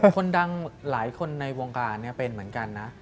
คนดังหลายคนในวงการเป็นเหมือนกันนะ